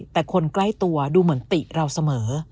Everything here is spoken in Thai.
แต่คนใกล้ตัวดูเหมือนติเราเสมอ